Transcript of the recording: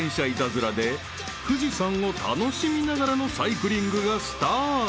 ［富士山を楽しみながらのサイクリングがスタート］